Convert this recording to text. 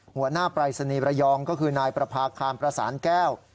หัวหน้าปราศนีรยองก็คือนายประพาคคามประสานแก้ว